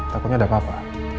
takutnya ada papa